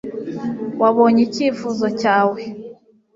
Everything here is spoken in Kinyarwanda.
m] [t] wabonye icyifuzo cyawe